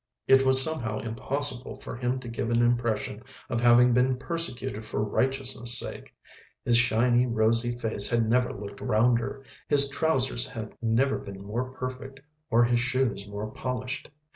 It was somehow impossible for him to give an impression of having been persecuted for righteousness' sake. His shiny, rosy face had never looked rounder, his trousers had never been more perfect or his shoes more polished.